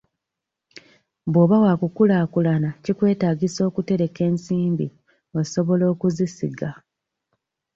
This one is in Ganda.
Bw'oba wakukulaakulana kikwetaagisa okutereka ensimbi osobola okuzisiga.